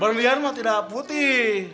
berlian mah tidak putih